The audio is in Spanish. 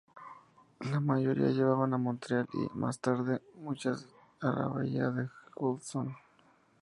La mayoría llevaban a Montreal y, más tarde, muchas a la bahía de Hudson.